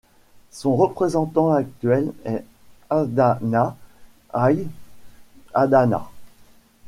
Son représentant actuel est Adhana Hayle Adhana.